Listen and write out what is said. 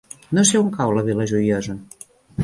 No sé on cau la Vila Joiosa.